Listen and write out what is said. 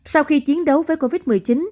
sau khi chiến đấu với covid một mươi chín